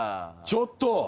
ちょっと！